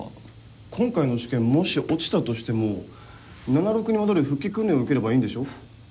今回の試験もし落ちたとしてもナナロクに戻る復帰訓練を受ければいいんでしょ？